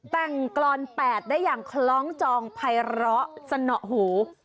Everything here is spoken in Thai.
แต่งกรอน๘ได้อย่างคล้องจองภัยร้อสนอหู